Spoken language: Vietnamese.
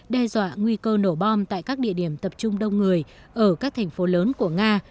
đe dọa nguy cơ nổ bom tại các địa điểm tập trung đông người ở các thành phố lớn của nga